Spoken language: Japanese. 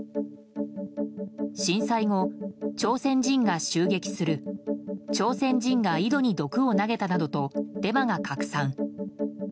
震災後、朝鮮人が襲撃する朝鮮人が井戸に毒を投げたなどとデマが拡散。